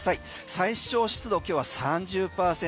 最小湿度、今日は３０％。